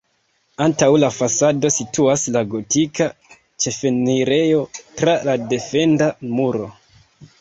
Antaŭ la fasado situas la gotika ĉefenirejo tra la defenda muro.